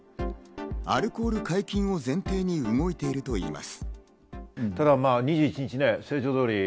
アルコール解禁を前提に動いているといいます。